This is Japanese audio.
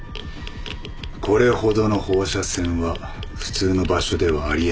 これほどの放射線は普通の場所ではあり得ません。